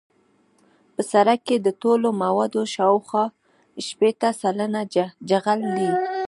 په سرک کې د ټولو موادو شاوخوا شپیته سلنه جغل دی